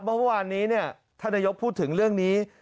เมื่อวานนี้ท่านนายกพูดถึงเรื่องนี้